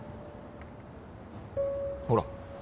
ほら